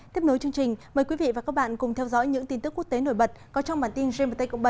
tiếp nối chương trình mời quý vị và các bạn cùng theo dõi những tin tức quốc tế nổi bật có trong bản tin gmt cộng bảy